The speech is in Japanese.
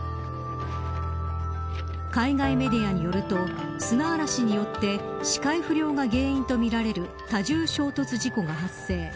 海外メディアによると砂嵐によって視界不良が原因とみられる多重衝突事故が発生。